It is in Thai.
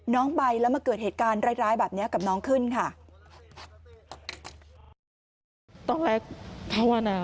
น้องไปแล้วเกิดเหตุการณ์ร้ายแบบนี้กับน้องขึ้น